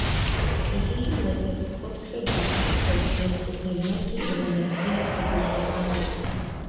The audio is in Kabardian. Пщэдджыжьым уэсэпс ткӀуэпсхэр дыщафэу, налкъутналмэсу дыгъэ нэбзийм къызэщӀегъанэ.